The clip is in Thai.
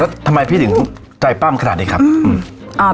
แล้วทำไมพี่ถึงใจปั้มขนาดนี้ครับ